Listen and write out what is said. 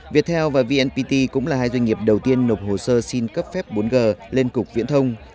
viettel và vnpt cũng là hai doanh nghiệp đầu tiên nộp hồ sơ xin cấp phép bốn g lên cục viễn thông